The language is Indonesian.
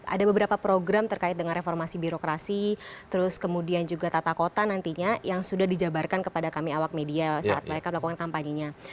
ada beberapa program terkait dengan reformasi birokrasi terus kemudian juga tata kota nantinya yang sudah dijabarkan kepada kami awak media saat mereka melakukan kampanye nya